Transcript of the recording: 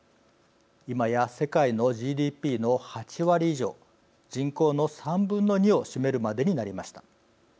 今や世界のＧＤＰの８割以上人口の３分の２を占めるまでになりました。